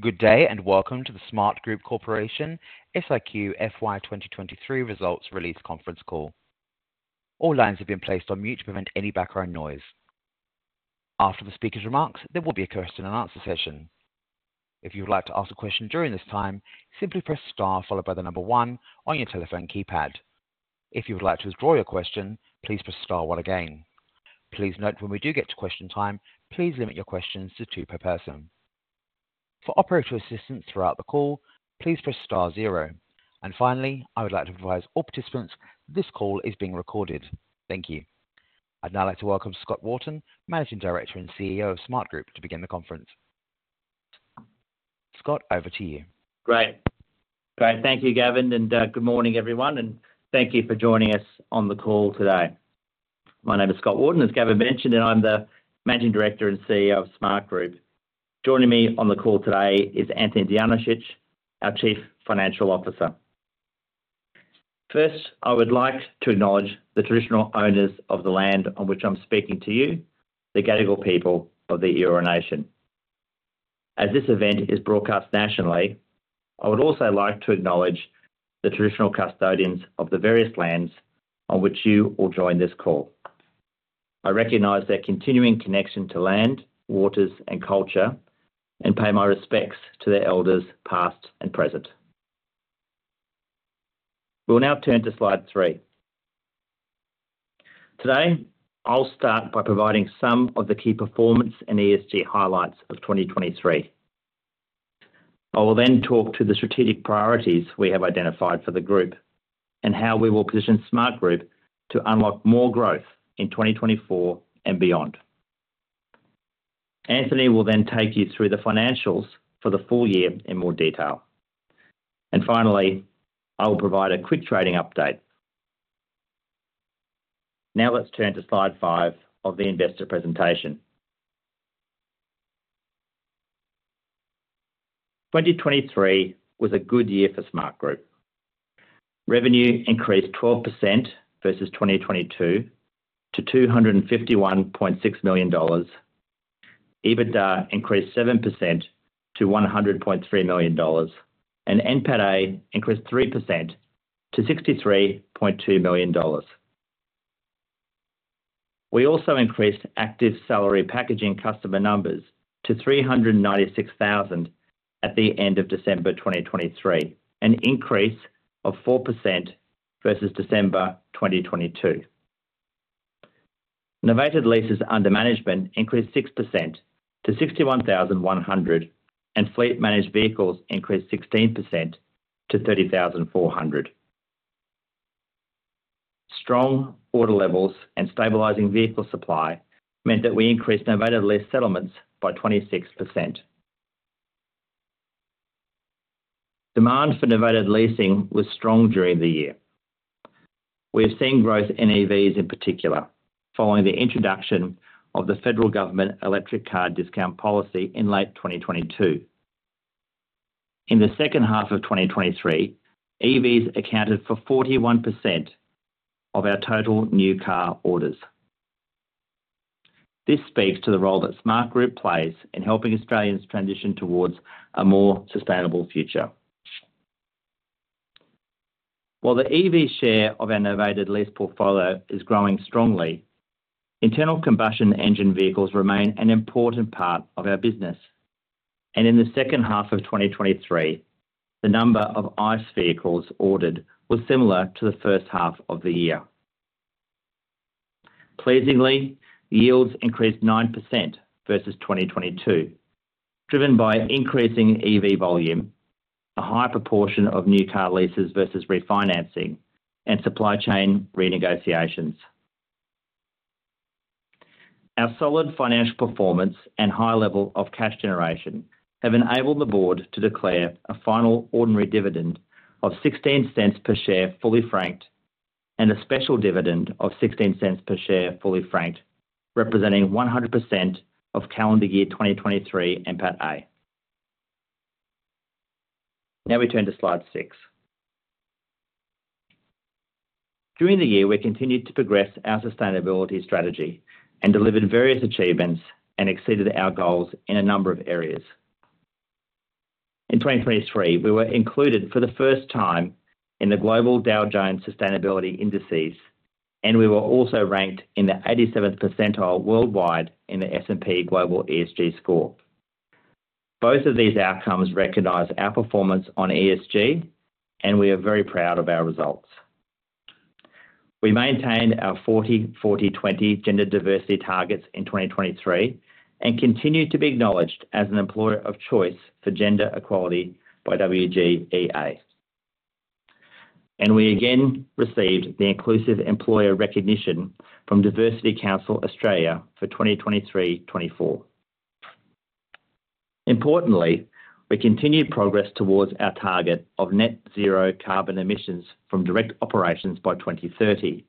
Good day and welcome to the Smartgroup Corporation SIQ FY 2023 results release conference call. All lines have been placed on mute to prevent any background noise. After the speaker's remarks, there will be a question-and-answer session. If you would like to ask a question during this time, simply press star followed by the number 1 on your telephone keypad. If you would like to withdraw your question, please press star 1 again. Please note, when we do get to question time, please limit your questions to two per person. For operator assistance throughout the call, please press star 0. And finally, I would like to advise all participants that this call is being recorded. Thank you. I'd now like to welcome Scott Wharton, Managing Director and CEO of Smartgroup, to begin the conference. Scott, over to you. Great. Great. Thank you, Gavin, and good morning, everyone. Thank you for joining us on the call today. My name is Scott Wharton, as Gavin mentioned, and I'm the Managing Director and CEO of Smartgroup. Joining me on the call today is Anthony Dijanosic, our Chief Financial Officer. First, I would like to acknowledge the traditional owners of the land on which I'm speaking to you, the Gadigal people of the Eora Nation. As this event is broadcast nationally, I would also like to acknowledge the traditional custodians of the various lands on which you all join this call. I recognize their continuing connection to land, waters, and culture, and pay my respects to their elders past and present. We'll now turn to slide 3. Today, I'll start by providing some of the key performance and ESG highlights of 2023. I will then talk to the strategic priorities we have identified for the group and how we will position Smartgroup to unlock more growth in 2024 and beyond. Anthony will then take you through the financials for the full year in more detail. Finally, I will provide a quick trading update. Now let's turn to slide 5 of the investor presentation. 2023 was a good year for Smartgroup. Revenue increased 12% versus 2022 to 251.6 million dollars. EBITDA increased 7% to 100.3 million dollars, and NPATA increased 3% to 63.2 million dollars. We also increased active salary packaging customer numbers to 396,000 at the end of December 2023, an increase of 4% versus December 2022. Novated leases under management increased 6% to 61,100, and fleet-managed vehicles increased 16% to 30,400. Strong order levels and stabilizing vehicle supply meant that we increased novated lease settlements by 26%. Demand for novated leasing was strong during the year. We have seen growth in EVs in particular following the introduction of the federal government electric car discount policy in late 2022. In the second half of 2023, EVs accounted for 41% of our total new car orders. This speaks to the role that Smartgroup plays in helping Australians transition towards a more sustainable future. While the EV share of our novated lease portfolio is growing strongly, internal combustion engine vehicles remain an important part of our business. In the second half of 2023, the number of ICE vehicles ordered was similar to the first half of the year. Pleasingly, yields increased 9% versus 2022, driven by increasing EV volume, a high proportion of new car leases versus refinancing, and supply chain renegotiations. Our solid financial performance and high level of cash generation have enabled the board to declare a final ordinary dividend of 0.16 per share fully franked and a special dividend of 0.16 per share fully franked, representing 100% of calendar year 2023 NPATA. Now we turn to slide 6. During the year, we continued to progress our sustainability strategy and delivered various achievements and exceeded our goals in a number of areas. In 2023, we were included for the first time in the Dow Jones Sustainability Indices, and we were also ranked in the 87th percentile worldwide in the S&P Global ESG score. Both of these outcomes recognize our performance on ESG, and we are very proud of our results. We maintained our 40/40/20 gender diversity targets in 2023 and continue to be acknowledged as an employer of choice for gender equality by WGEA. We again received the inclusive employer recognition from Diversity Council Australia for 2023/24. Importantly, we continued progress towards our target of net zero carbon emissions from direct operations by 2030,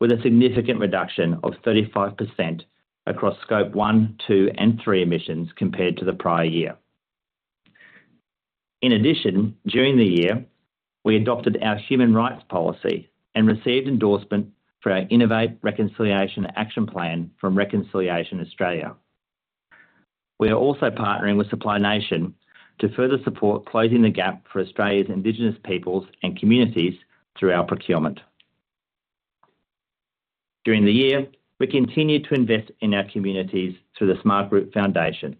with a significant reduction of 35% across Scope 1, 2, and 3 emissions compared to the prior year. In addition, during the year, we adopted our human rights policy and received endorsement for our Innovate Reconciliation Action Plan from Reconciliation Australia. We are also partnering with Supply Nation to further support Closing the Gap for Australia's Indigenous peoples and communities through our procurement. During the year, we continue to invest in our communities through the Smartgroup Foundation,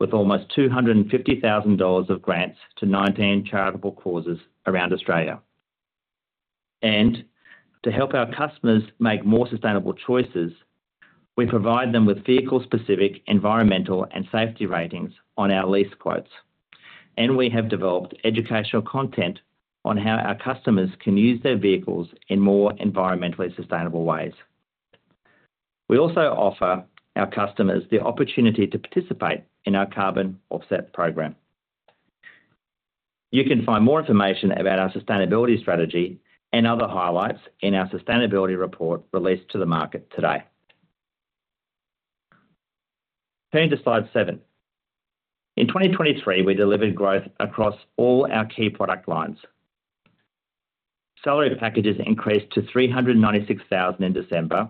with almost 250,000 dollars of grants to 19 charitable causes around Australia. To help our customers make more sustainable choices, we provide them with vehicle-specific environmental and safety ratings on our lease quotes. We have developed educational content on how our customers can use their vehicles in more environmentally sustainable ways. We also offer our customers the opportunity to participate in our carbon offset program. You can find more information about our sustainability strategy and other highlights in our sustainability report released to the market today. Turning to slide 7. In 2023, we delivered growth across all our key product lines. Salary packages increased to 396,000 in December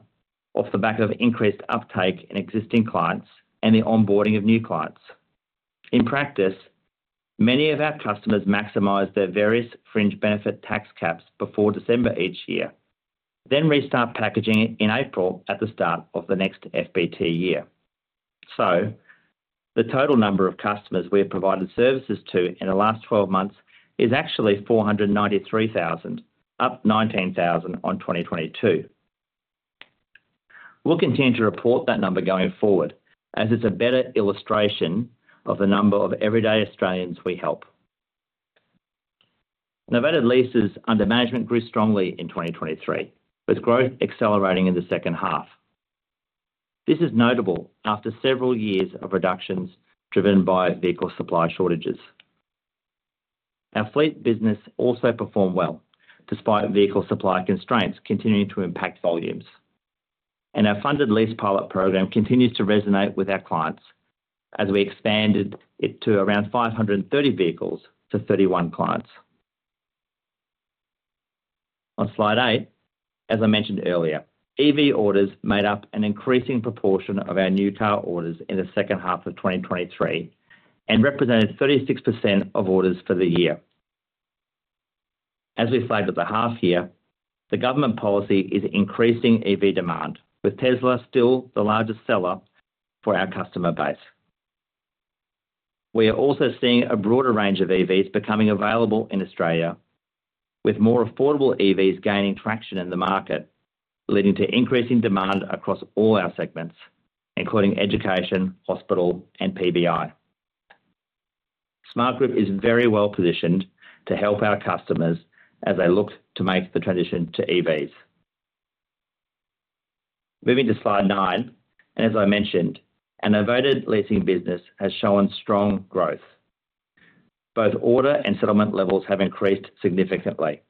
off the back of increased uptake in existing clients and the onboarding of new clients. In practice, many of our customers maximize their various Fringe Benefits Tax caps before December each year, then restart packaging in April at the start of the next FBT year. So the total number of customers we have provided services to in the last 12 months is actually 493,000, up 19,000 on 2022. We'll continue to report that number going forward, as it's a better illustration of the number of everyday Australians we help. Novated leases under management grew strongly in 2023, with growth accelerating in the second half. This is notable after several years of reductions driven by vehicle supply shortages. Our fleet business also performed well despite vehicle supply constraints continuing to impact volumes. Our funded lease pilot program continues to resonate with our clients as we expanded it to around 530 vehicles to 31 clients. On slide 8, as I mentioned earlier, EV orders made up an increasing proportion of our new car orders in the second half of 2023 and represented 36% of orders for the year. As we flagged at the half-year, the government policy is increasing EV demand, with Tesla still the largest seller for our customer base. We are also seeing a broader range of EVs becoming available in Australia, with more affordable EVs gaining traction in the market, leading to increasing demand across all our segments, including education, hospital, and PBI. Smartgroup is very well positioned to help our customers as they look to make the transition to EVs. Moving to slide nine, and as I mentioned, our novated leasing business has shown strong growth. Both order and settlement levels have increased significantly.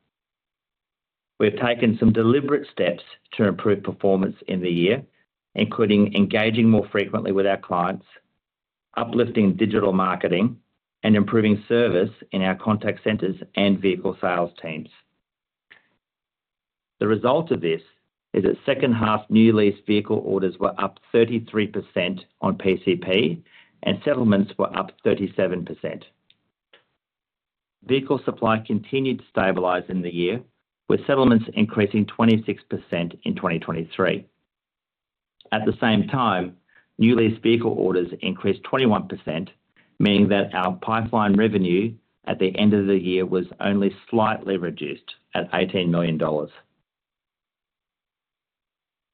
We have taken some deliberate steps to improve performance in the year, including engaging more frequently with our clients, uplifting digital marketing, and improving service in our contact centers and vehicle sales teams. The result of this is that second-half new lease vehicle orders were up 33% on PCP, and settlements were up 37%. Vehicle supply continued to stabilize in the year, with settlements increasing 26% in 2023. At the same time, new lease vehicle orders increased 21%, meaning that our pipeline revenue at the end of the year was only slightly reduced at 18 million dollars.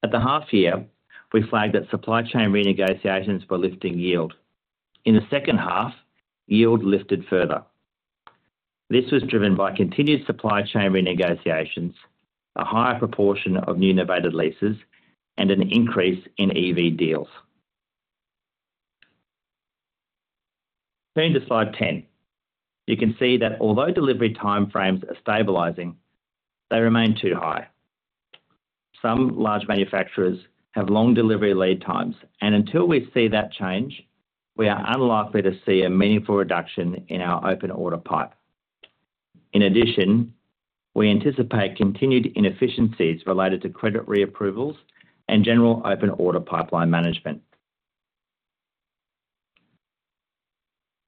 At the half-year, we flagged that supply chain renegotiations were lifting yield. In the second half, yield lifted further. This was driven by continued supply chain renegotiations, a higher proportion of new novated leases, and an increase in EV deals. Turning to slide 10. You can see that although delivery timeframes are stabilizing, they remain too high. Some large manufacturers have long delivery lead times, and until we see that change, we are unlikely to see a meaningful reduction in our open order pipe. In addition, we anticipate continued inefficiencies related to credit reapprovals and general open order pipeline management.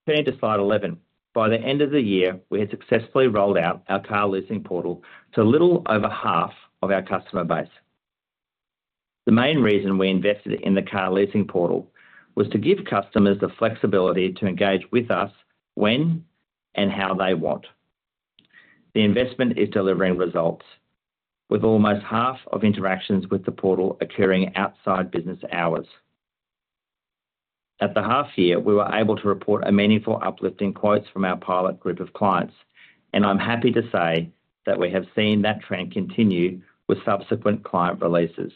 Turning to slide 11. By the end of the year, we had successfully rolled out our car leasing portal to a little over half of our customer base. The main reason we invested in the car leasing portal was to give customers the flexibility to engage with us when and how they want. The investment is delivering results, with almost half of interactions with the portal occurring outside business hours. At the half-year, we were able to report a meaningful uplift in quotes from our pilot group of clients, and I'm happy to say that we have seen that trend continue with subsequent client releases.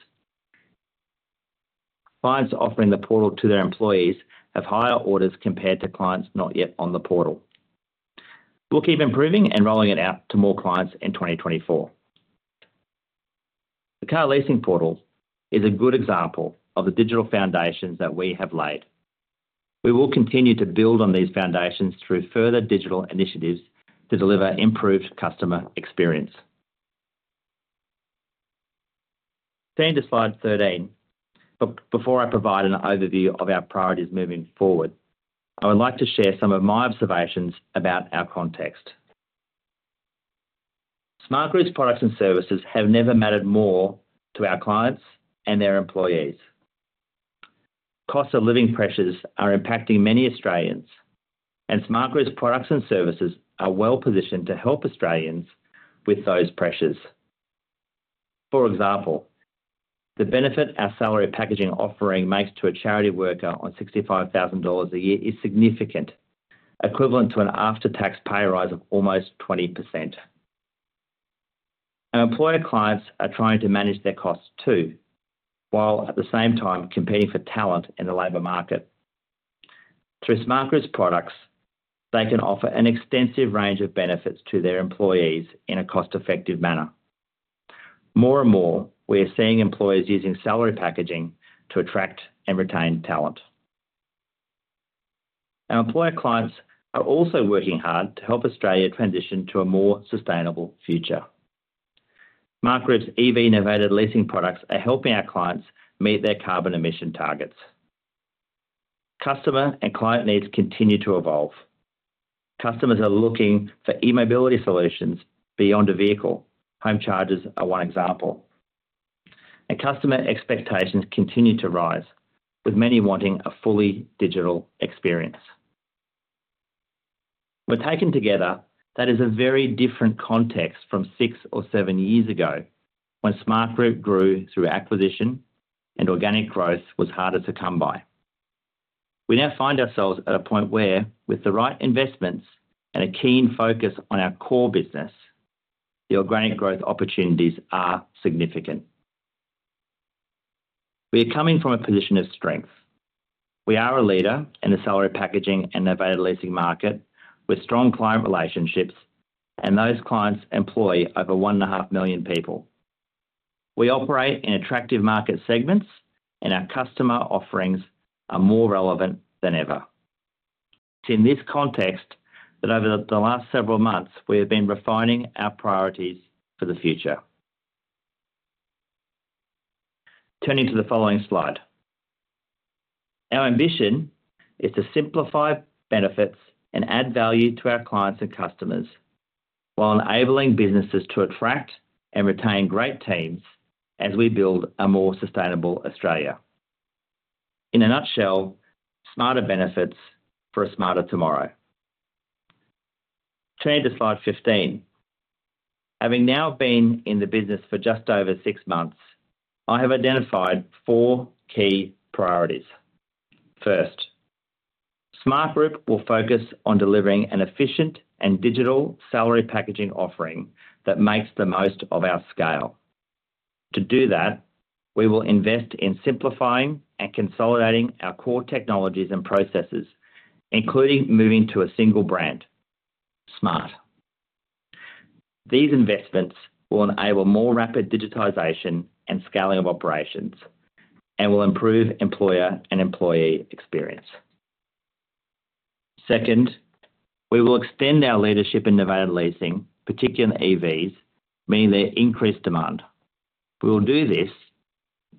Clients offering the portal to their employees have higher orders compared to clients not yet on the portal. We'll keep improving and rolling it out to more clients in 2024. The car leasing portal is a good example of the digital foundations that we have laid. We will continue to build on these foundations through further digital initiatives to deliver improved customer experience. Turning to slide 13. Before I provide an overview of our priorities moving forward, I would like to share some of my observations about our context. Smartgroup's products and services have never mattered more to our clients and their employees. Cost of living pressures are impacting many Australians, and Smartgroup's products and services are well positioned to help Australians with those pressures. For example, the benefit our salary packaging offering makes to a charity worker on 65,000 dollars a year is significant, equivalent to an after-tax pay rise of almost 20%. Our employer clients are trying to manage their costs too, while at the same time competing for talent in the labor market. Through Smartgroup's products, they can offer an extensive range of benefits to their employees in a cost-effective manner. More and more, we are seeing employers using salary packaging to attract and retain talent. Our employer clients are also working hard to help Australia transition to a more sustainable future. Smartgroup's EV novated leasing products are helping our clients meet their carbon emission targets. Customer and client needs continue to evolve. Customers are looking for e-mobility solutions beyond a vehicle. Home chargers are one example. Customer expectations continue to rise, with many wanting a fully digital experience. When taken together, that is a very different context from six or seven years ago when Smartgroup grew through acquisition and organic growth was harder to come by. We now find ourselves at a point where, with the right investments and a keen focus on our core business, the organic growth opportunities are significant. We are coming from a position of strength. We are a leader in the salary packaging and novated leasing market with strong client relationships, and those clients employ over 1.5 million people. We operate in attractive market segments, and our customer offerings are more relevant than ever. It's in this context that over the last several months, we have been refining our priorities for the future. Turning to the following slide. Our ambition is to simplify benefits and add value to our clients and customers while enabling businesses to attract and retain great teams as we build a more sustainable Australia. In a nutshell, smarter benefits for a smarter tomorrow. Turning to slide 15. Having now been in the business for just over 6 months, I have identified 4 key priorities. First, Smartgroup will focus on delivering an efficient and digital salary packaging offering that makes the most of our scale. To do that, we will invest in simplifying and consolidating our core technologies and processes, including moving to a single brand, Smart. These investments will enable more rapid digitization and scaling of operations, and will improve employer and employee experience. Second, we will extend our leadership in novated leasing, particularly EVs, meaning their increased demand. We will do this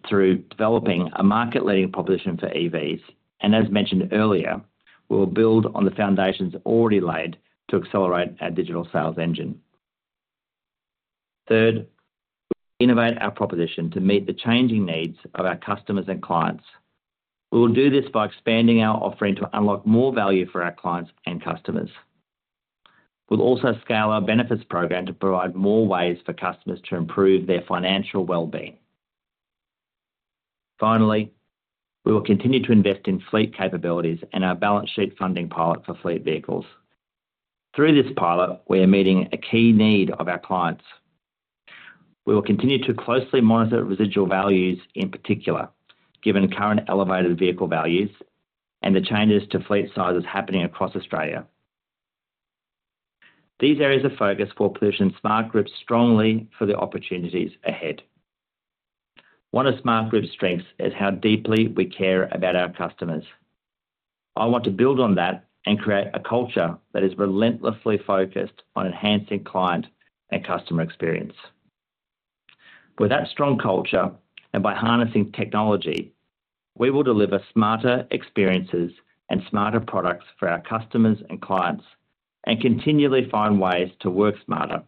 through developing a market-leading proposition for EVs, and as mentioned earlier, we will build on the foundations already laid to accelerate our digital sales engine. Third, we will innovate our proposition to meet the changing needs of our customers and clients. We will do this by expanding our offering to unlock more value for our clients and customers. We'll also scale our benefits program to provide more ways for customers to improve their financial well-being. Finally, we will continue to invest in fleet capabilities and our balance sheet funding pilot for fleet vehicles. Through this pilot, we are meeting a key need of our clients. We will continue to closely monitor residual values in particular, given current elevated vehicle values and the changes to fleet sizes happening across Australia. These areas of focus will position Smartgroup strongly for the opportunities ahead. One of Smartgroup's strengths is how deeply we care about our customers. I want to build on that and create a culture that is relentlessly focused on enhancing client and customer experience. With that strong culture and by harnessing technology, we will deliver smarter experiences and smarter products for our customers and clients, and continually find ways to work smarter,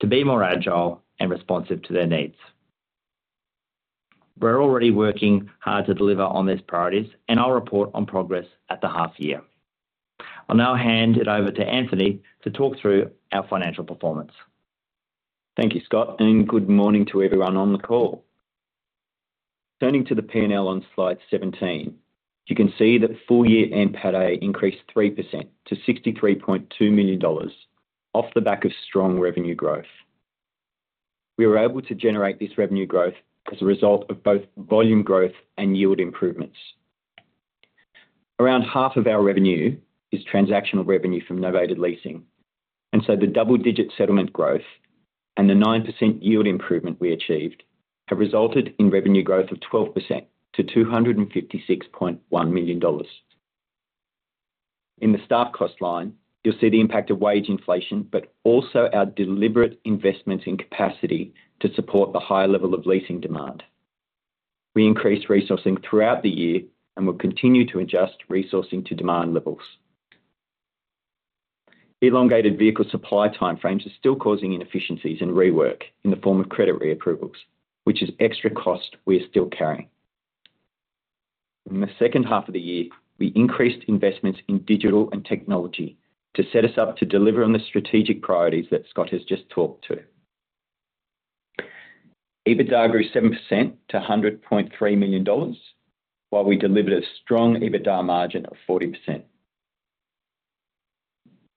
to be more agile and responsive to their needs. We're already working hard to deliver on these priorities, and I'll report on progress at the half-year. I'll now hand it over to Anthony to talk through our financial performance. Thank you, Scott, and good morning to everyone on the call. Turning to the P&L on slide 17. You can see that full year EBITDA increased 3% to 63.2 million dollars off the back of strong revenue growth. We were able to generate this revenue growth as a result of both volume growth and yield improvements. Around half of our revenue is transactional revenue from novated leasing, and so the double-digit settlement growth and the 9% yield improvement we achieved have resulted in revenue growth of 12% to 256.1 million dollars. In the staff cost line, you'll see the impact of wage inflation, but also our deliberate investments in capacity to support the higher level of leasing demand. We increased resourcing throughout the year and will continue to adjust resourcing to demand levels. Elongated vehicle supply timeframes are still causing inefficiencies and rework in the form of credit reapprovals, which is extra cost we are still carrying. In the second half of the year, we increased investments in digital and technology to set us up to deliver on the strategic priorities that Scott has just talked to. EBITDA grew 7% to 100.3 million dollars, while we delivered a strong EBITDA margin of 40%.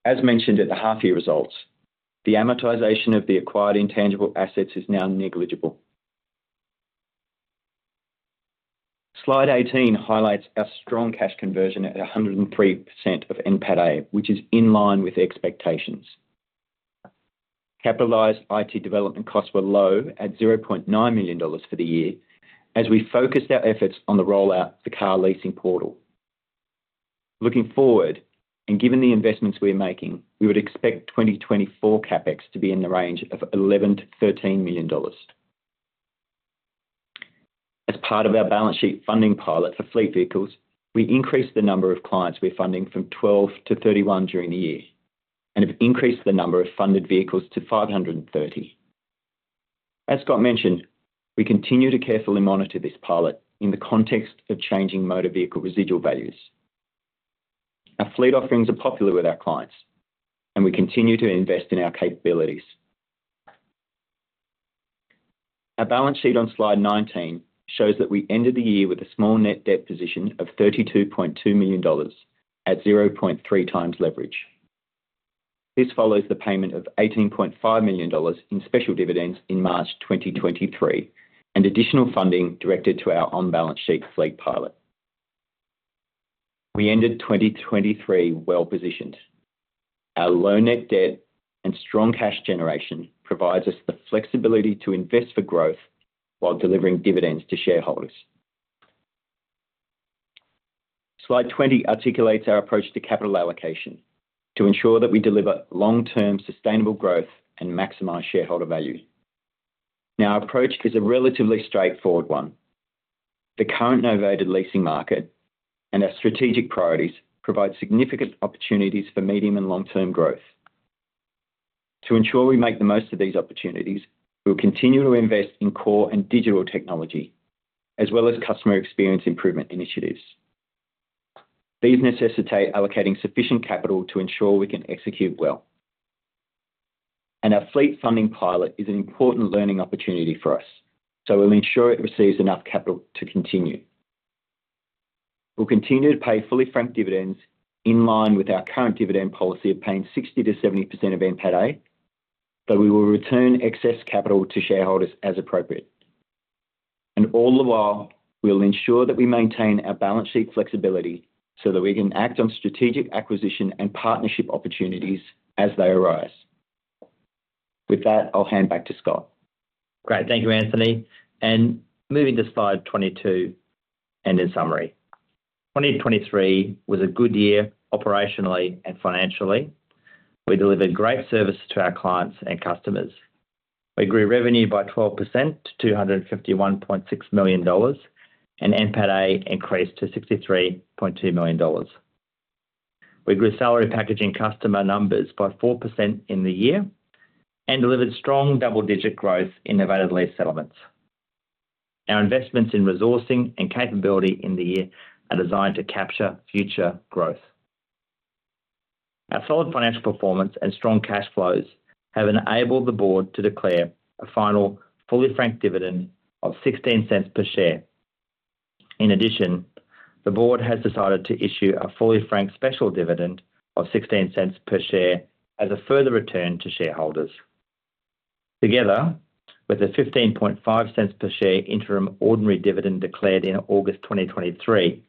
As mentioned at the half-year results, the amortization of the acquired intangible assets is now negligible. Slide 18 highlights our strong cash conversion at 103% of end payday, which is in line with expectations. Capitalized IT development costs were low at 0.9 million dollars for the year as we focused our efforts on the rollout of the car leasing portal. Looking forward and given the investments we are making, we would expect 2024 CapEx to be in the range of 11 million-13 million dollars. As part of our balance sheet funding pilot for fleet vehicles, we increased the number of clients we're funding from 12 to 31 during the year and have increased the number of funded vehicles to 530. As Scott mentioned, we continue to carefully monitor this pilot in the context of changing motor vehicle residual values. Our fleet offerings are popular with our clients, and we continue to invest in our capabilities. Our balance sheet on slide 19 shows that we ended the year with a small net debt position of AUD 32.2 million at 0.3x leverage. This follows the payment of AUD 18.5 million in special dividends in March 2023 and additional funding directed to our on-balance sheet fleet pilot. We ended 2023 well positioned. Our low net debt and strong cash generation provides us the flexibility to invest for growth while delivering dividends to shareholders. Slide 20 articulates our approach to capital allocation to ensure that we deliver long-term sustainable growth and maximize shareholder value. Now, our approach is a relatively straightforward one. The current novated leasing market and our strategic priorities provide significant opportunities for medium and long-term growth. To ensure we make the most of these opportunities, we'll continue to invest in core and digital technology as well as customer experience improvement initiatives. These necessitate allocating sufficient capital to ensure we can execute well. Our fleet funding pilot is an important learning opportunity for us, so we'll ensure it receives enough capital to continue. We'll continue to pay fully franked dividends in line with our current dividend policy of paying 60%-70% of NPAT, but we will return excess capital to shareholders as appropriate. And all the while, we'll ensure that we maintain our balance sheet flexibility so that we can act on strategic acquisition and partnership opportunities as they arise. With that, I'll hand back to Scott. Great. Thank you, Anthony. Moving to slide 22 and in summary. 2023 was a good year operationally and financially. We delivered great services to our clients and customers. We grew revenue by 12% to 251.6 million dollars and NPAT increased to 63.2 million dollars. We grew salary packaging customer numbers by 4% in the year and delivered strong double-digit growth in novated lease settlements. Our investments in resourcing and capability in the year are designed to capture future growth. Our solid financial performance and strong cash flows have enabled the board to declare a final fully franked dividend of 0.16 per share. In addition, the board has decided to issue a fully franked special dividend of 0.16 per share as a further return to shareholders. Together with a 0.155 per share interim ordinary dividend declared in August 2023,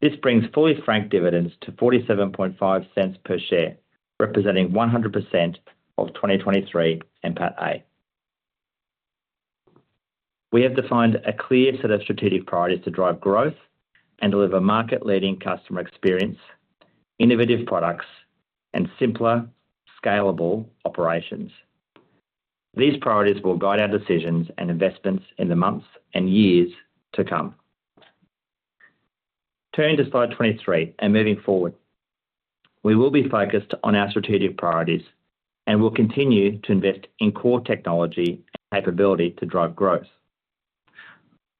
this brings fully franked dividends to 0.475 per share, representing 100% of 2023 NPATA. We have defined a clear set of strategic priorities to drive growth and deliver market-leading customer experience, innovative products, and simpler, scalable operations. These priorities will guide our decisions and investments in the months and years to come. Turning to slide 23 and moving forward. We will be focused on our strategic priorities and will continue to invest in core technology and capability to drive growth.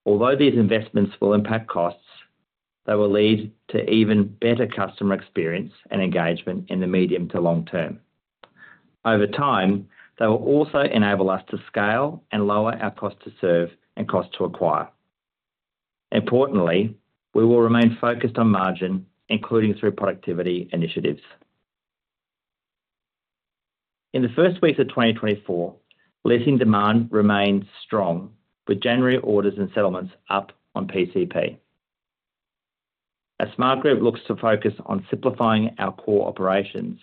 Although these investments will impact costs, they will lead to even better customer experience and engagement in the medium to long term. Over time, they will also enable us to scale and lower our cost to serve and cost to acquire. Importantly, we will remain focused on margin, including through productivity initiatives. In the first weeks of 2024, leasing demand remains strong, with January orders and settlements up on PCP. As Smartgroup looks to focus on simplifying our core operations.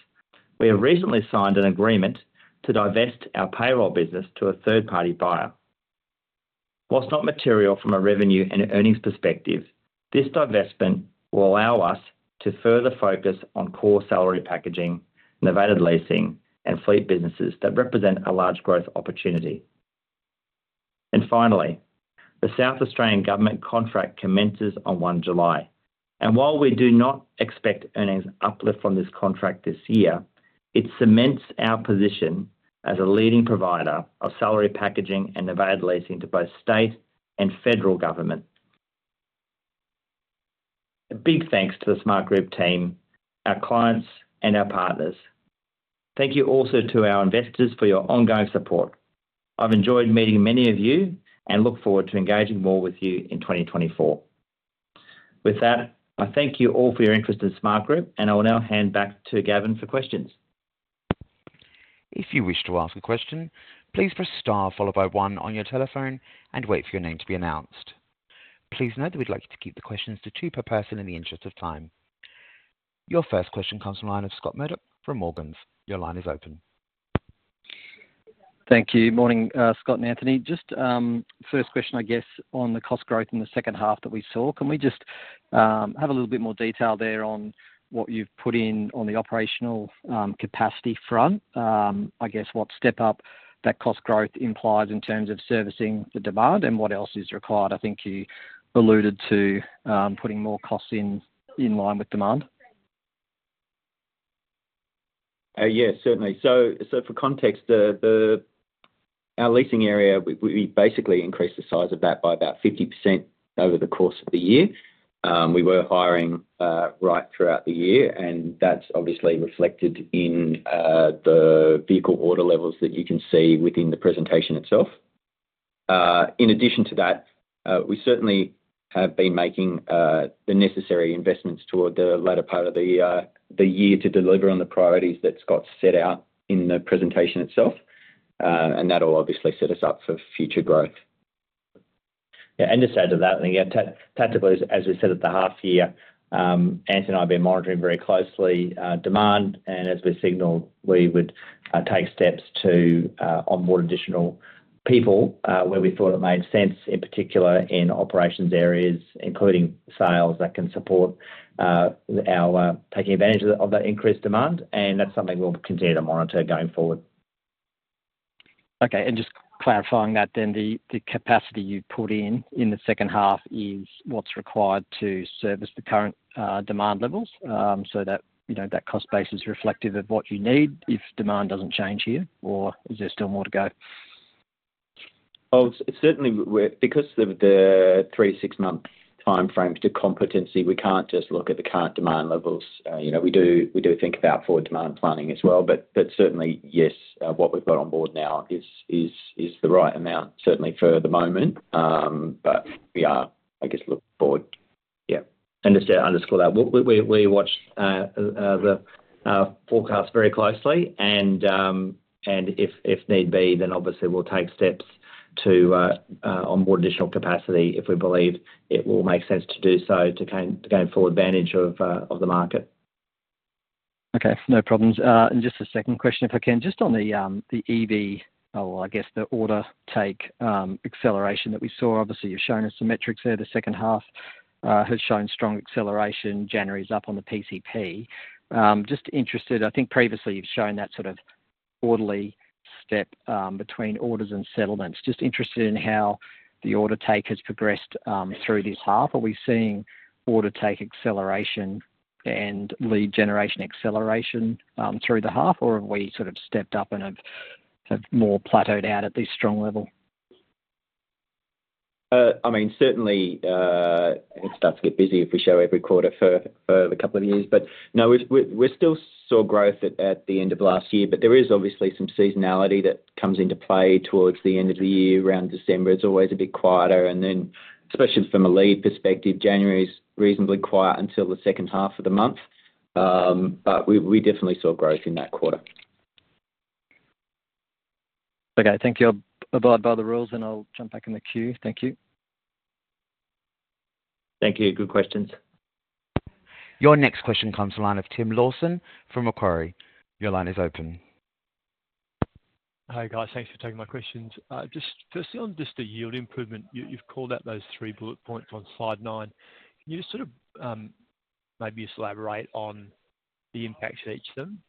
We have recently signed an agreement to divest our payroll business to a third-party buyer. While not material from a revenue and earnings perspective, this divestment will allow us to further focus on core salary packaging, novated leasing, and fleet businesses that represent a large growth opportunity. Finally, the South Australian Government contract commences on 1 July. While we do not expect earnings uplift from this contract this year, it cements our position as a leading provider of salary packaging and novated leasing to both state and federal government. A big thanks to the Smartgroup team, our clients, and our partners. Thank you also to our investors for your ongoing support. I've enjoyed meeting many of you and look forward to engaging more with you in 2024. With that, I thank you all for your interest in Smartgroup, and I will now hand back to Gavin for questions. If you wish to ask a question, please press star followed by one on your telephone and wait for your name to be announced. Please note that we'd like you to keep the questions to two per person in the interest of time. Your first question comes from line of Scott Murdoch from Morgans. Your line is open. Thank you. Morning, Scott and Anthony. Just first question, I guess, on the cost growth in the second half that we saw. Can we just have a little bit more detail there on what you've put in on the operational capacity front? I guess what step up that cost growth implies in terms of servicing the demand and what else is required? I think you alluded to putting more costs in line with demand. Yes, certainly. So for context, our leasing area, we basically increased the size of that by about 50% over the course of the year. We were hiring right throughout the year, and that's obviously reflected in the vehicle order levels that you can see within the presentation itself. In addition to that, we certainly have been making the necessary investments toward the latter part of the year to deliver on the priorities that Scott set out in the presentation itself, and that will obviously set us up for future growth. Yeah, and just add to that, I think, yeah, tactically, as we said at the half-year, Anthony and I have been monitoring very closely demand, and as we signalled, we would take steps to onboard additional people where we thought it made sense, in particular in operations areas, including sales that can support our taking advantage of that increased demand. And that's something we'll continue to monitor going forward. Okay. And just clarifying that then, the capacity you put in in the second half is what's required to service the current demand levels so that that cost base is reflective of what you need if demand doesn't change here, or is there still more to go? Oh, certainly, because of the 3-6-month timeframe to competency, we can't just look at the current demand levels. We do think about forward demand planning as well, but certainly, yes, what we've got on board now is the right amount, certainly for the moment. But we are, I guess, looking forward. Yeah. And just to underscore that, we watch the forecast very closely, and if need be, then obviously, we'll take steps to onboard additional capacity if we believe it will make sense to do so to gain full advantage of the market. Okay. No problems. Just a second question, if I can, just on the EV, or I guess the order take acceleration that we saw. Obviously, you've shown us some metrics there. The second half has shown strong acceleration. January's up on the PCP. Just interested, I think previously, you've shown that sort of orderly step between orders and settlements. Just interested in how the order take has progressed through this half. Are we seeing order take acceleration and lead generation acceleration through the half, or have we sort of stepped up and have more plateaued out at this strong level? I mean, certainly, it starts to get busy if we show every quarter for the couple of years. But no, we still saw growth at the end of last year, but there is obviously some seasonality that comes into play towards the end of the year. Around December, it's always a bit quieter, and then especially from a lead perspective, January's reasonably quiet until the second half of the month. But we definitely saw growth in that quarter. Okay. Thank you. I'll abide by the rules, and I'll jump back in the queue. Thank you. Thank you. Good questions. Your next question comes to line of Tim Lawson from Macquarie. Your line is open. Hi guys. Thanks for taking my questions. First, on just the yield improvement, you've called out those three bullet points on slide 9. Can you just sort of maybe elaborate on the impacts of each of them?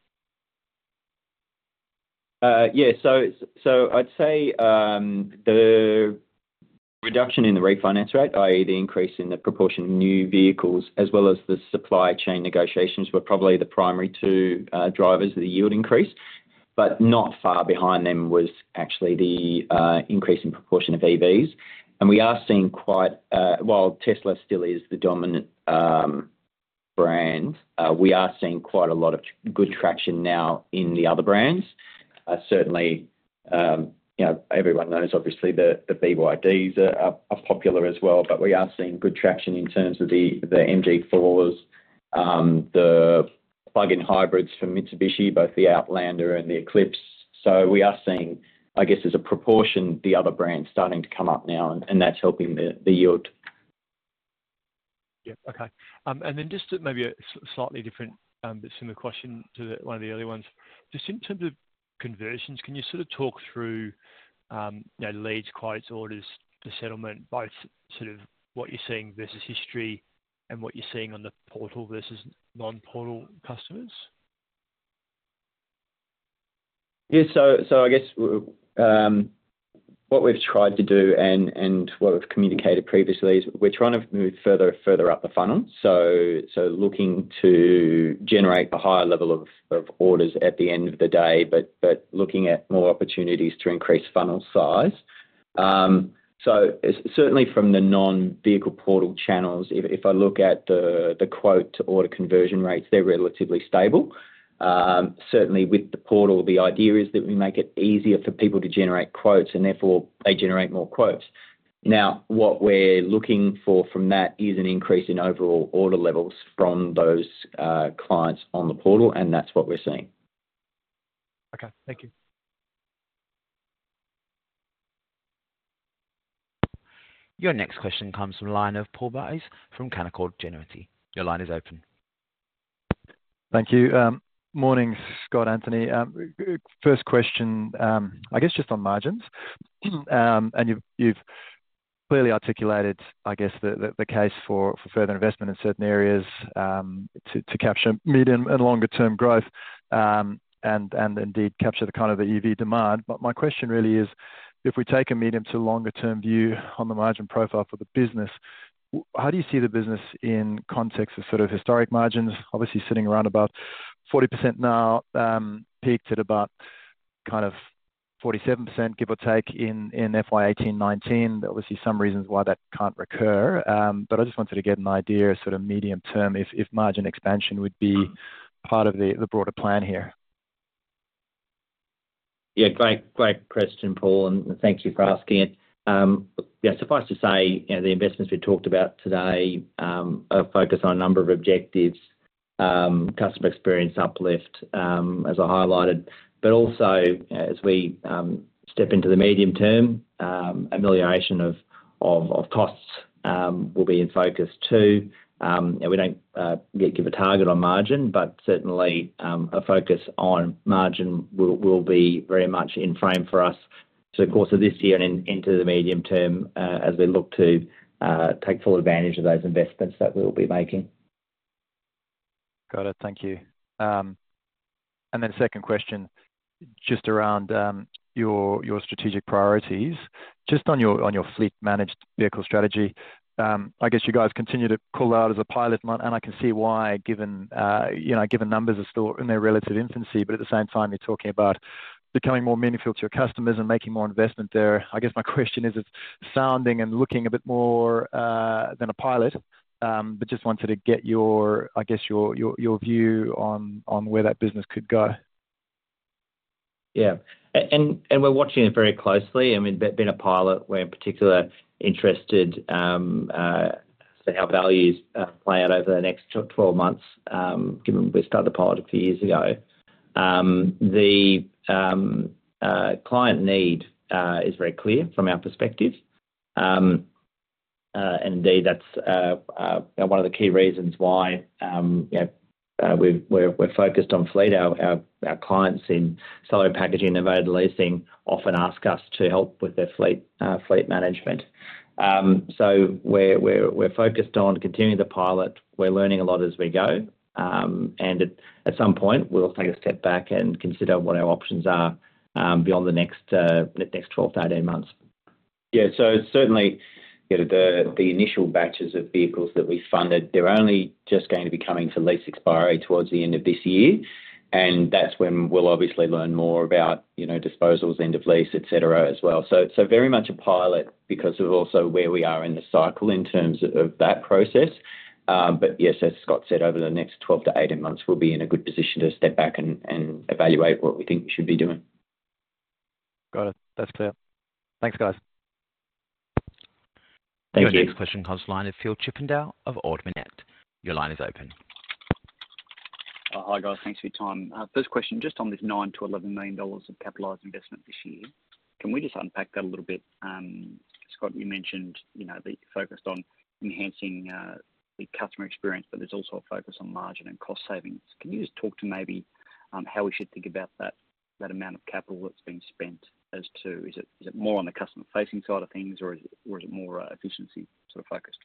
Yeah. So I'd say the reduction in the refinance rate, i.e., the increase in the proportion of new vehicles as well as the supply chain negotiations were probably the primary two drivers of the yield increase. But not far behind them was actually the increase in proportion of EVs. And we are seeing quite, while Tesla still is the dominant brand, we are seeing quite a lot of good traction now in the other brands. Certainly, everyone knows, obviously, the BYDs are popular as well, but we are seeing good traction in terms of the MG4s, the plug-in hybrids from Mitsubishi, both the Outlander and the Eclipse. So we are seeing, I guess, as a proportion, the other brands starting to come up now, and that's helping the yield. Yeah. Okay. And then just maybe a slightly different but similar question to one of the earlier ones. Just in terms of conversions, can you sort of talk through leads, quotes, orders, the settlement, both sort of what you're seeing versus history and what you're seeing on the portal versus non-portal customers? Yeah. So I guess what we've tried to do and what we've communicated previously is we're trying to move further and further up the funnel. So looking to generate a higher level of orders at the end of the day, but looking at more opportunities to increase funnel size. So certainly, from the non-vehicle portal channels, if I look at the quote to order conversion rates, they're relatively stable. Certainly, with the portal, the idea is that we make it easier for people to generate quotes, and therefore, they generate more quotes. Now, what we're looking for from that is an increase in overall order levels from those clients on the portal, and that's what we're seeing. Okay. Thank you. Your next question comes from line of Paul Buys from Canaccord Genuity. Your line is open. Thank you. Morning, Scott and Anthony. First question, I guess, just on margins. And you've clearly articulated, I guess, the case for further investment in certain areas to capture medium- and longer-term growth and indeed capture the kind of the EV demand. But my question really is, if we take a medium- to longer-term view on the margin profile for the business, how do you see the business in context of sort of historic margins? Obviously, sitting around about 40% now, peaked at about kind of 47%, give or take, in FY2018/2019. Obviously, some reasons why that can't recur. But I just wanted to get an idea, sort of medium-term, if margin expansion would be part of the broader plan here. Yeah. Great question, Paul, and thank you for asking it. Yeah. Suffice to say, the investments we've talked about today are focused on a number of objectives, customer experience uplift, as I highlighted. But also, as we step into the medium term, amelioration of costs will be in focus too. We don't give a target on margin, but certainly, a focus on margin will be very much in frame for us through the course of this year and into the medium term as we look to take full advantage of those investments that we'll be making. Got it. Thank you. And then second question, just around your strategic priorities. Just on your fleet managed vehicle strategy, I guess you guys continue to call out as a pilot, and I can see why, given numbers are still in their relative infancy, but at the same time, you're talking about becoming more meaningful to your customers and making more investment there. I guess my question is, it's sounding and looking a bit more than a pilot, but just wanted to get your, I guess, your view on where that business could go. Yeah. And we're watching it very closely. I mean, it's been a pilot. We're particularly interested as to how values play out over the next 12 months, given we started the pilot a few years ago. The client need is very clear from our perspective. And indeed, that's one of the key reasons why we're focused on fleet. Our clients in salary packaging, novated leasing, often ask us to help with their fleet management. So we're focused on continuing the pilot. We're learning a lot as we go. And at some point, we'll take a step back and consider what our options are beyond the next 12, 13 months. Yeah. So certainly, the initial batches of vehicles that we funded, they're only just going to be coming to lease expiry towards the end of this year. And that's when we'll obviously learn more about disposals, end of lease, etc., as well. So very much a pilot because of also where we are in the cycle in terms of that process. But yes, as Scott said, over the next 12-18 months, we'll be in a good position to step back and evaluate what we think we should be doing. Got it. That's clear. Thanks, guys. Thank you. Your next question comes to line of Phil Chippindale of Ord Minnett. Your line is open. Hi guys. Thanks for your time. First question, just on this 9 million-11 million dollars of capitalized investment this year, can we just unpack that a little bit? Scott, you mentioned that you focused on enhancing the customer experience, but there's also a focus on margin and cost savings. Can you just talk to maybe how we should think about that amount of capital that's being spent as to is it more on the customer-facing side of things, or is it more efficiency sort of focused?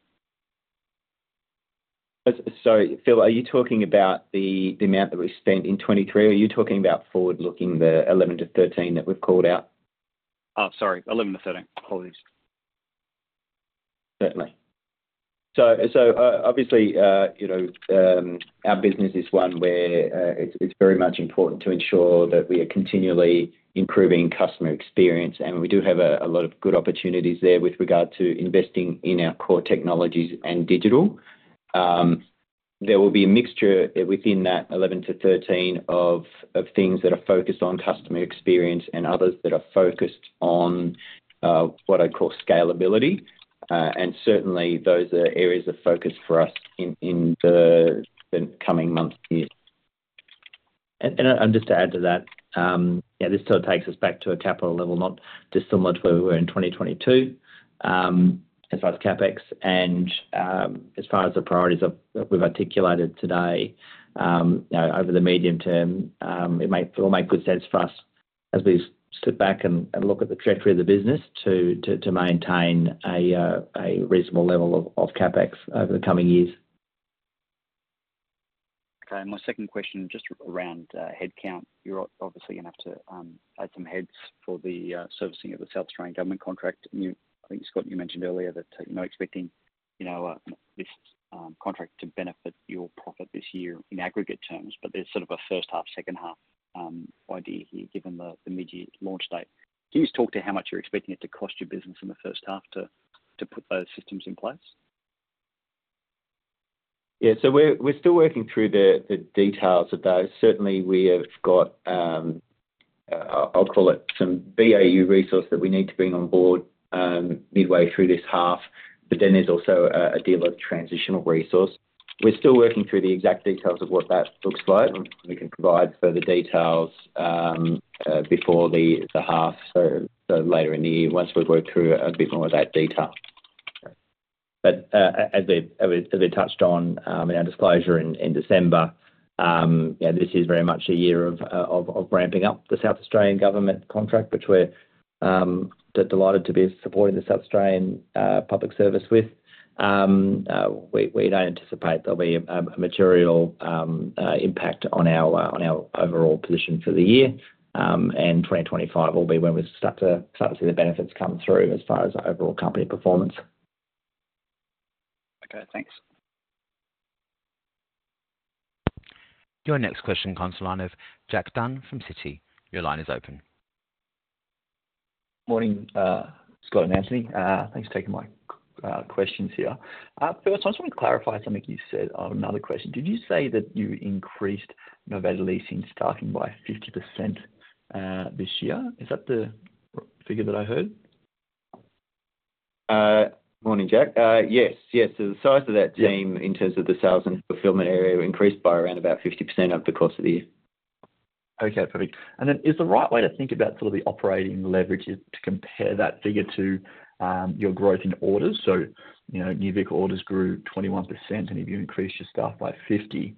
So Phil, are you talking about the amount that we spent in 2023, or are you talking about forward-looking the 11-13 that we've called out? Oh, sorry. 11-13. Apologies. Certainly. So obviously, our business is one where it's very much important to ensure that we are continually improving customer experience. And we do have a lot of good opportunities there with regard to investing in our core technologies and digital. There will be a mixture within that 11-13 of things that are focused on customer experience and others that are focused on what I'd call scalability. And certainly, those are areas of focus for us in the coming months here. And just to add to that, yeah, this still takes us back to a capital level, not dissimilar to where we were in 2022 as far as CapEx. And as far as the priorities we've articulated today, over the medium term, it will make good sense for us, as we sit back and look at the trajectory of the business, to maintain a reasonable level of CapEx over the coming years. Okay. My second question, just around headcount. You're obviously going to have to add some heads for the servicing of the South Australian Government contract. I think, Scott, you mentioned earlier that you're not expecting this contract to benefit your profit this year in aggregate terms, but there's sort of a first half, second half idea here, given the midyear launch date. Can you just talk to how much you're expecting it to cost your business in the first half to put those systems in place? Yeah. So we're still working through the details of those. Certainly, we have got, I'll call it, some BAU resource that we need to bring on board midway through this half, but then there's also a deal of transitional resource. We're still working through the exact details of what that looks like. We can provide further details before the half, so later in the year, once we've worked through a bit more of that detail. But as we touched on in our disclosure in December, this is very much a year of ramping up the South Australian government contract, which we're delighted to be supporting the South Australian public service with. We don't anticipate there'll be a material impact on our overall position for the year. And 2025 will be when we start to see the benefits come through as far as overall company performance. Okay. Thanks. Your next question comes to line of Jack Dunn from Citi. Your line is open. Morning, Scott and Anthony. Thanks for taking my questions here. First, I just want to clarify something you said on another question. Did you say that you increased novated leasing staffing by 50% this year? Is that the figure that I heard? Morning, Jack. Yes. Yes. The size of that team in terms of the sales and fulfillment area increased by around about 50% over the course of the year. Okay. Perfect. And then is the right way to think about sort of the operating leverage to compare that figure to your growth in orders? So new vehicle orders grew 21%, and if you increase your staff by 50,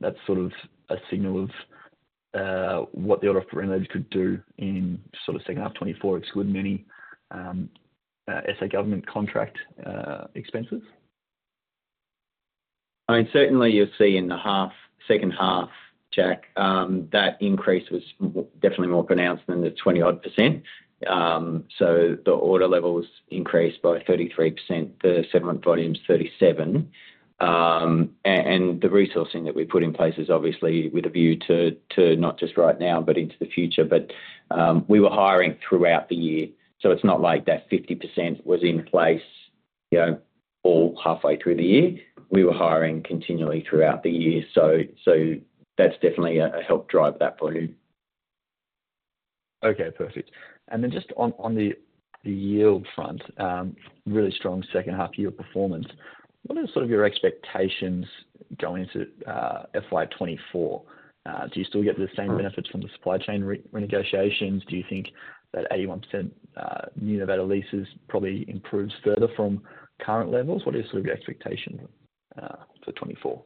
that's sort of a signal of what the operating leverage could do in sort of second half 2024 excluding any SA government contract expenses? I mean, certainly, you'll see in the second half, Jack, that increase was definitely more pronounced than the 20-odd%. So the order levels increased by 33%, the settlement volumes 37%. And the resourcing that we put in place is obviously with a view to not just right now, but into the future. But we were hiring throughout the year. So it's not like that 50% was in place all halfway through the year. We were hiring continually throughout the year. So that's definitely helped drive that volume. Okay. Perfect. And then just on the yield front, really strong second half-year performance. What are sort of your expectations going into FY24? Do you still get the same benefits from the supply chain renegotiations? Do you think that 81% new innovative leases probably improves further from current levels? What are sort of your expectations for 2024?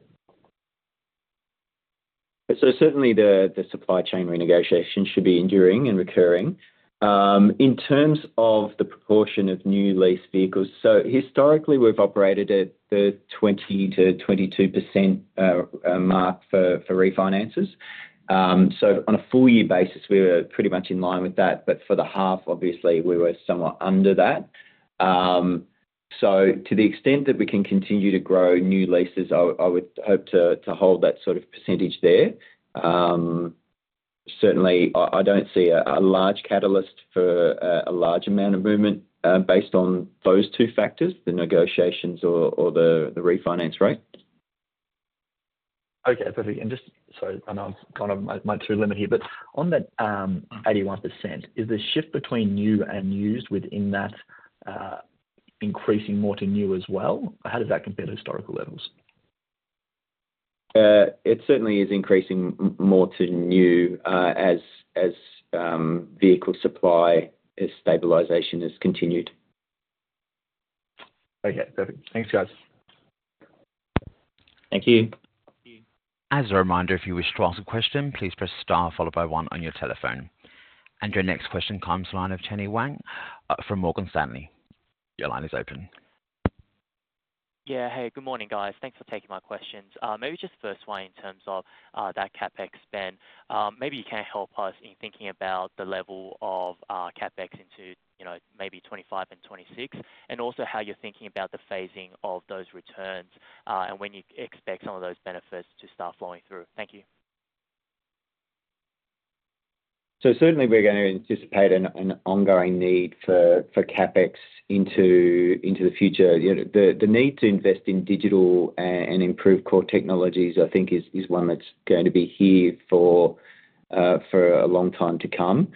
So certainly, the supply chain renegotiations should be enduring and recurring. In terms of the proportion of new leased vehicles, so historically, we've operated at the 20%-22% mark for refinances. So on a full-year basis, we were pretty much in line with that. But for the half, obviously, we were somewhat under that. So to the extent that we can continue to grow new leases, I would hope to hold that sort of percentage there. Certainly, I don't see a large catalyst for a large amount of movement based on those two factors, the negotiations or the refinance rate. Okay. Perfect. And just sorry, I know I'm kind of at my time limit here. But on that 81%, is the shift between new and used within that increasing more to new as well? How does that compare to historical levels? It certainly is increasing more to new as vehicle supply stabilisation has continued. Okay. Perfect. Thanks, guys. Thank you. As a reminder, if you wish to ask a question, please press star followed by one on your telephone. And your next question comes from the line of Teny Wang from Morgan Stanley. Your line is open. Yeah. Hey. Good morning, guys. Thanks for taking my questions. Maybe just first one in terms of that CapEx spend. Maybe you can help us in thinking about the level of CapEx into maybe 2025 and 2026 and also how you're thinking about the phasing of those returns and when you expect some of those benefits to start flowing through. Thank you. So certainly, we're going to anticipate an ongoing need for CapEx into the future. The need to invest in digital and improve core technologies, I think, is one that's going to be here for a long time to come.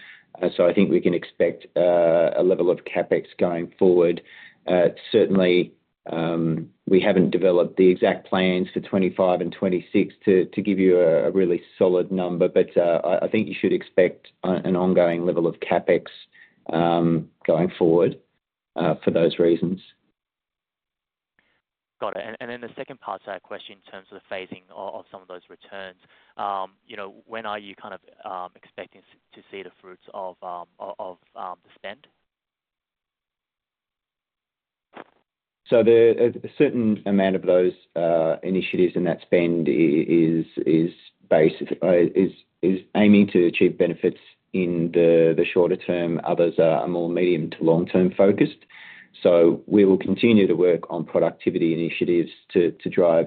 So I think we can expect a level of CapEx going forward. Certainly, we haven't developed the exact plans for 2025 and 2026 to give you a really solid number, but I think you should expect an ongoing level of CapEx going forward for those reasons. Got it. And then the second part to that question in terms of the phasing of some of those returns, when are you kind of expecting to see the fruits of the spend? So a certain amount of those initiatives in that spend is aiming to achieve benefits in the shorter term. Others are more medium to long-term focused. So we will continue to work on productivity initiatives to drive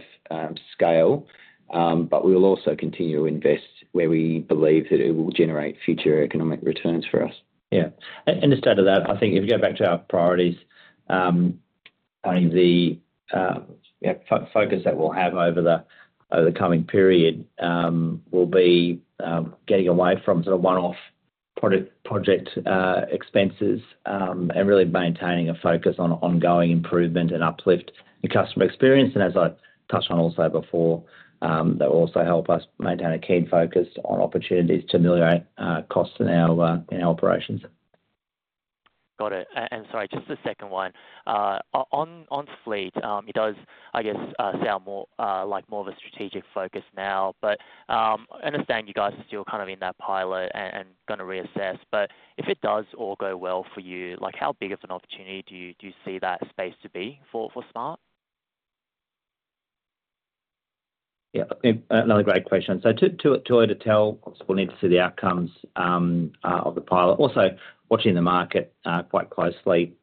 scale, but we will also continue to invest where we believe that it will generate future economic returns for us. Yeah. And to state that, I think if you go back to our priorities, only the focus that we'll have over the coming period will be getting away from sort of one-off project expenses and really maintaining a focus on ongoing improvement and uplift in customer experience. As I touched on also before, that will also help us maintain a keen focus on opportunities to ameliorate costs in our operations. Got it. Sorry, just the second one. On fleet, it does, I guess, sound like more of a strategic focus now. I understand you guys are still kind of in that pilot and going to reassess. If it does all go well for you, how big of an opportunity do you see that space to be for Smart? Yeah. Another great question. Too hard to tell. We'll need to see the outcomes of the pilot. Also, watching the market quite closely.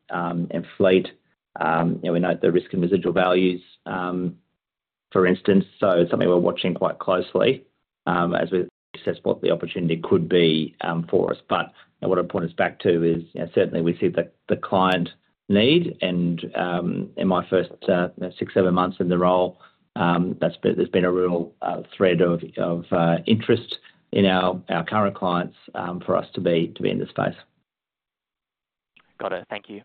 Fleet, we note the risk and residual values, for instance. It's something we're watching quite closely as we assess what the opportunity could be for us. But what I point us back to is certainly, we see the client need. And in my first 6, 7 months in the role, there's been a real thread of interest in our current clients for us to be in this space. Got it. Thank you.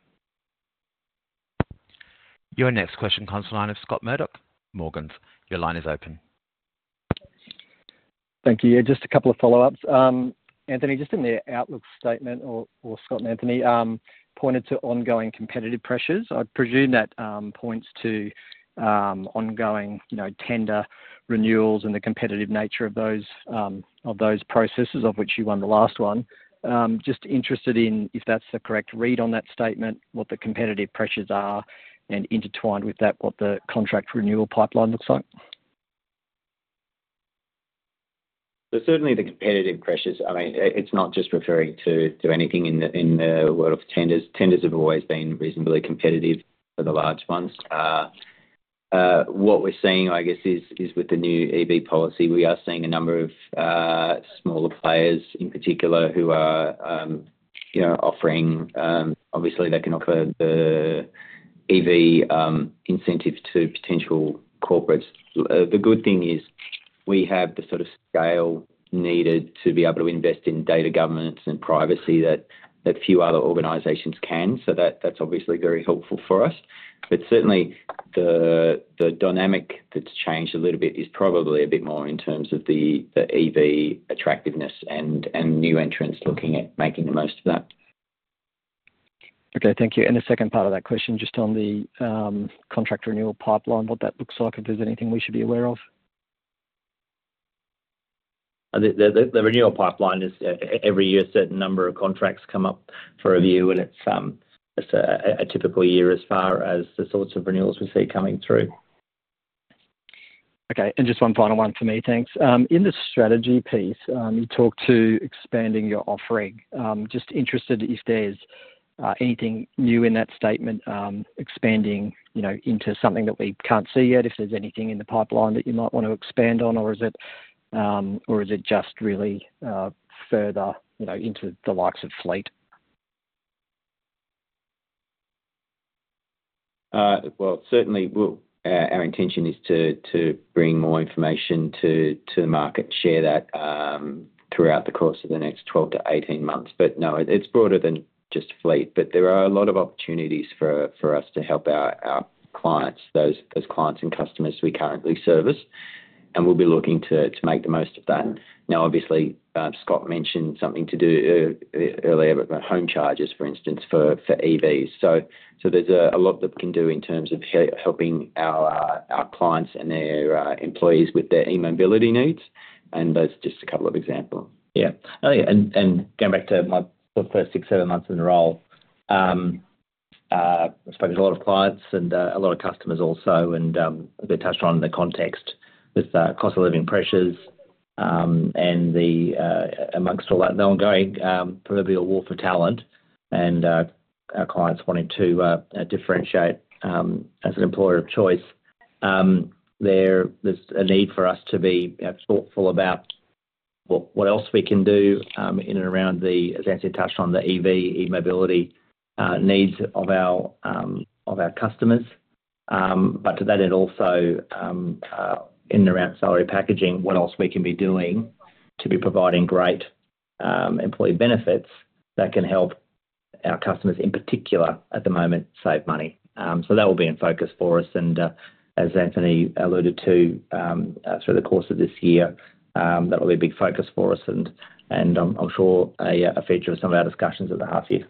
Your next question comes to line of Scott Murdoch, Morgans. Your line is open. Thank you. Yeah. Just a couple of follow-ups. Anthony, just in the outlook statement, or Scott and Anthony, pointed to ongoing competitive pressures. I presume that points to ongoing tender renewals and the competitive nature of those processes, of which you won the last one. Just interested in, if that's the correct read on that statement, what the competitive pressures are and intertwined with that, what the contract renewal pipeline looks like. So certainly, the competitive pressures, I mean, it's not just referring to anything in the world of tenders. Tenders have always been reasonably competitive for the large ones. What we're seeing, I guess, is with the new EV policy, we are seeing a number of smaller players in particular who are offering obviously, they can offer the EV incentive to potential corporates. The good thing is we have the sort of scale needed to be able to invest in data governance and privacy that few other organizations can. So that's obviously very helpful for us. But certainly, the dynamic that's changed a little bit is probably a bit more in terms of the EV attractiveness and new entrants looking at making the most of that. Okay. Thank you. And the second part of that question, just on the contract renewal pipeline, what that looks like, if there's anything we should be aware of? The renewal pipeline is every year, a certain number of contracts come up for review, and it's a typical year as far as the sorts of renewals we see coming through. Okay. And just one final one for me. Thanks. In the strategy piece, you talked to expanding your offering. Just interested if there's anything new in that statement expanding into something that we can't see yet, if there's anything in the pipeline that you might want to expand on, or is it just really further into the likes of fleet? Well, certainly, our intention is to bring more information to the market, share that throughout the course of the next 12-18 months. But no, it's broader than just fleet. But there are a lot of opportunities for us to help our clients, those clients and customers we currently service. We'll be looking to make the most of that. Now, obviously, Scott mentioned something to do earlier about home charges, for instance, for EVs. So there's a lot that we can do in terms of helping our clients and their employees with their e-mobility needs. And that's just a couple of examples. Yeah. And going back to my first 6, 7 months in the role, I've spoken to a lot of clients and a lot of customers also. And as we touched on in the context with cost of living pressures and amongst all that, the ongoing proverbial war for talent and our clients wanting to differentiate as an employer of choice, there's a need for us to be thoughtful about what else we can do in and around the, as Anthony touched on, the EV, e-mobility needs of our customers. But to that end also, in and around salary packaging, what else we can be doing to be providing great employee benefits that can help our customers in particular at the moment save money. So that will be in focus for us. And as Anthony alluded to, through the course of this year, that will be a big focus for us and I'm sure a feature of some of our discussions at the half-year.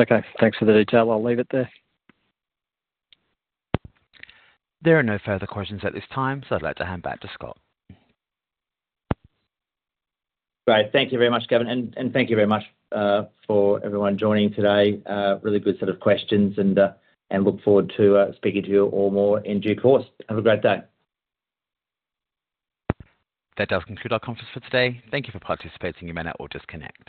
Okay. Thanks for the detail. I'll leave it there. There are no further questions at this time, so I'd like to hand back to Scott. Great. Thank you very much, Gavin. And thank you very much for everyone joining today. Really good set of questions. And look forward to speaking to you all more in due course. Have a great day. That does conclude our conference for today. Thank you for participating. You may now all disconnect.